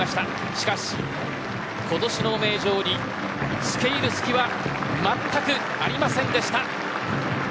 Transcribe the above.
しかし今年の名城に付け入る隙はまったくありませんでした。